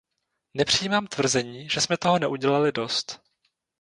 Nepřijímám tvrzení, že jsme toho neudělali dost.